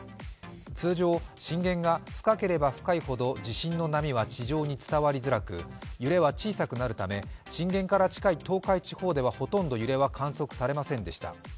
通常、震源が深ければ深いほど地震の波は地上に伝わりづらく揺れは小さくなるため震源から近い東海地方ではほとんど揺れは観測されませんでした。